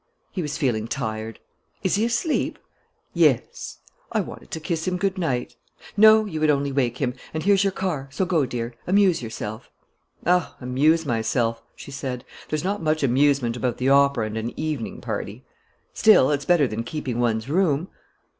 "He was feeling tired." "Is he asleep?" "Yes." "I wanted to kiss him good night." "No, you would only wake him. And here's your car; so go, dear. Amuse yourself." "Oh, amuse myself!" she said. "There's not much amusement about the opera and an evening party." "Still, it's better than keeping one's room."